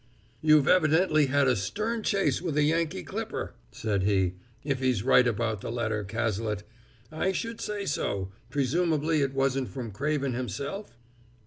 "You've evidently had a stern chase with a Yankee clipper!" said he. "If he's right about the letter, Cazalet, I should say so; presumably it wasn't from Craven himself?"